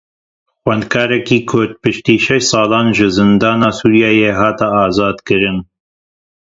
Xwendekarekî Kurd piştî şeş salan ji zindana Sûriyeyê hat azadkirin.